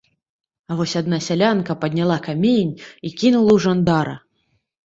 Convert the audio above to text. А вось адна сялянка падняла камень і кінула ў жандара.